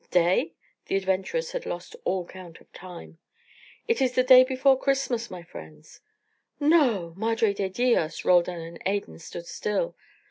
"Day?" The adventurers had lost all count of time. "It is the day before Christmas, my friends." "No! Madre de dios!" Roldan and Adan stood still.